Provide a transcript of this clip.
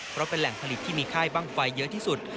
เพราะเป็นแหล่งผลิตที่มีค่ายบ้างไฟเยอะที่สุด